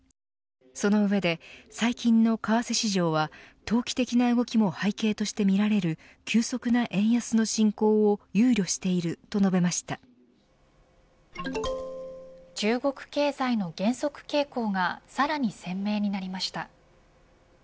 その上で、最近の為替市場は投機的な動きも背景として見られる急速な円安の進行を中国経済の減速傾向がさらに鮮明になりました。